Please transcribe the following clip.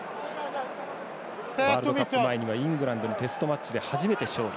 ワールドカップ前にはイングランドにテストマッチで初めて勝利。